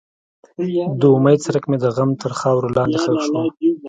د امید څرک مې د غم تر خاورو لاندې ښخ شو.